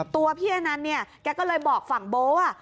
ตัวพี่อนันต์เนี่ยแกก็เลยบอกฝั่งโบ๊ะ